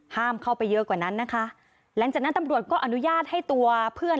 เข้าไปเยอะกว่านั้นนะคะหลังจากนั้นตำรวจก็อนุญาตให้ตัวเพื่อน